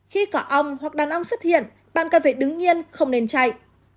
khi cả ong hoặc đàn ong xuất hiện bạn cần phải đứng nhiên không nên chạy